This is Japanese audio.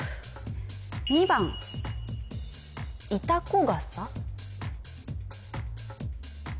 ２番いたこがさ